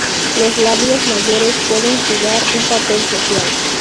Los labios mayores pueden jugar un papel social.